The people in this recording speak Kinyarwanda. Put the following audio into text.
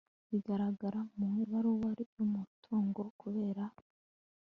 bigaragara mu ibarura ry umutungo kubera